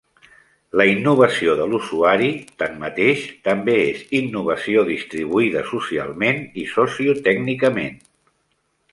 La innovació de l'usuari, tanmateix, també és innovació distribuïda socialment i socio-tècnicament.